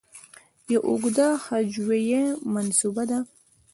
یو اوږده هجویه منسوبه ده.